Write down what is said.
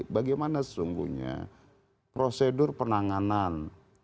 bagaimana sesungguhnya prosedur penanganan